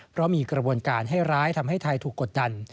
เพราะมีกระบวนการให้ร้ายทำให้ไทยถูกกดดัน